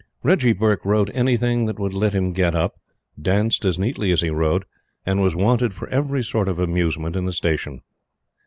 Reggie Burke rode anything that would let him get up, danced as neatly as he rode, and was wanted for every sort of amusement in the Station.